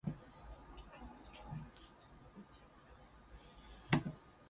A non-party parliamentary petition was also organized.